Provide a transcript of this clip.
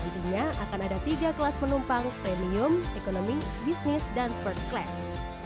jadinya akan ada tiga kelas penumpang premium ekonomi bisnis dan first class